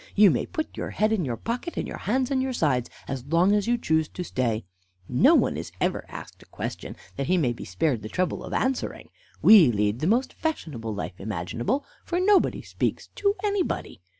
You may put your head in your pocket and your hands in your sides as long as you choose to stay. No one is ever asked a question, that he may be spared the trouble of answering. We lead the most fashionable life imaginable, for nobody speaks to anybody.